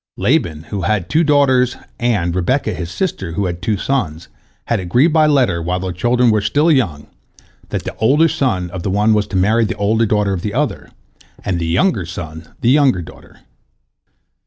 Laban, who had two daughters, and Rebekah, his sister, who had two sons, had agreed by letter, while their children were still young, that the older son of the one was to marry the older daughter of the other, and the younger son the younger daughter.